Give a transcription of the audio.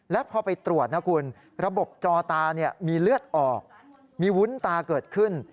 แล้วพอไปตรวจนะคุณระบบจอตามีเลือดออกมีวุ้นตาเกิดขึ้น